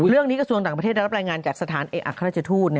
เรื่องนี้กระทรวงต่างประเทศได้รับแรงงานจากสถานเอกราชทธูต